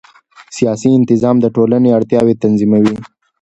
سیاسي نظام د ټولنې اړتیاوې تنظیموي